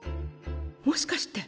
もしかして。